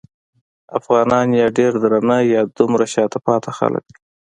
افغانان یا ډېر درانه یا دومره شاته پاتې خلک دي.